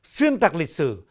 xuyên tạc lịch sử